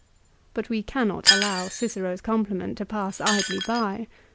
But we cannot allow Cicero's com pliment to pass idly by.